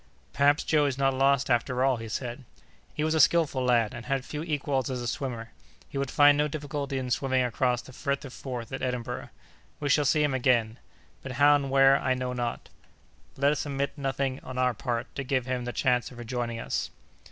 "Perhaps Joe is not lost after all," he said. "He was a skilful lad, and had few equals as a swimmer. He would find no difficulty in swimming across the Firth of Forth at Edinburgh. We shall see him again—but how and where I know not. Let us omit nothing on our part to give him the chance of rejoining us."